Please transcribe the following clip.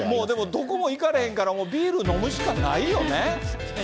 でもどこも行かれへんから、ビール飲むしかないよね。